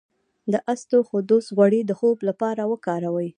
د اسطوخودوس غوړي د خوب لپاره وکاروئ